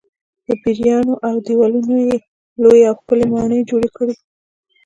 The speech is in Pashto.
په پېریانو او دیوانو یې لویې او ښکلې ماڼۍ جوړې کړې.